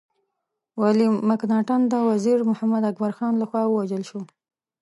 ويليم مکناټن د وزير محمد اکبر خان لخوا ووژل شو.